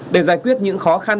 để giải quyết những khó khăn